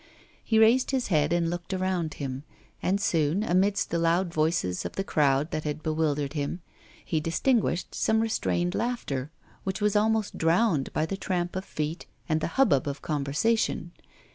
He raised his head and looked around him; and soon, amidst the loud voices of the crowd that had bewildered him, he distinguished some restrained laughter, which was almost drowned by the tramp of feet and the hubbub of conversation.